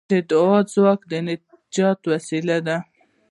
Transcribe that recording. د دعا ځواک د نجات وسیله ده.